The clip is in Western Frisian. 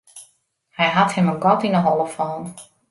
Hy hat him in gat yn 'e holle fallen.